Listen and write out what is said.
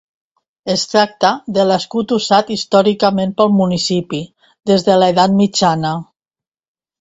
Es tracta de l'escut usat històricament pel municipi des de l'edat mitjana.